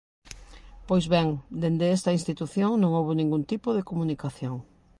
Pois ben, dende esta institución non houbo ningún tipo de comunicación.